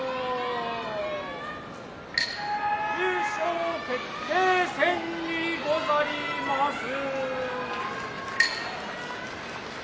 優勝決定戦にござりまする。